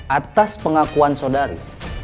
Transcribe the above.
atas pengakuan saudari